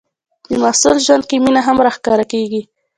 د محصل ژوند کې مینه هم راښکاره کېږي.